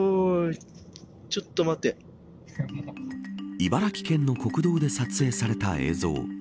茨城県の国道で撮影された映像。